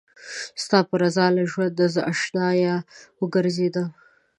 ستا په رضا له ژونده زه اشنايه وګرځېدم